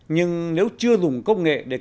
nhưng nếu chưa dùng công nghệ để kiểm tra